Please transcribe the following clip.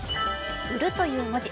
「売」という文字。